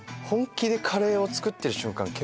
本気でカレーを作ってる瞬間